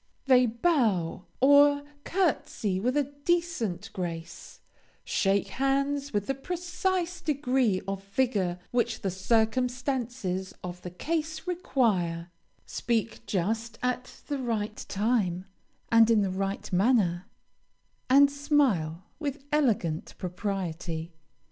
They bow or courtesy with a decent grace; shake hands with the precise degree of vigor which the circumstances of the case require; speak just at the right time, and in the required manner, and smile with elegant propriety.